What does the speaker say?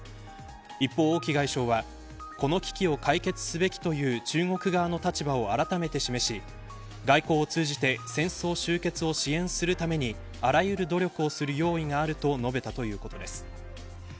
一方、王毅外相は、この危機を解決すべきという中国側の立場をあらためて示し外交を通じて戦争終結を支援するためにあらゆる努力をする用意があると述べたということです。